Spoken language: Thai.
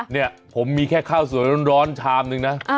เนี่ยผมมีแค่ข้าวสวยร้อนชามนึงนะ